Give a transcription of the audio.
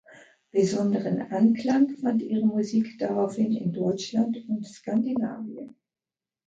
Besonderen Anklang fand ihre Musik daraufhin in Deutschland und Skandinavien.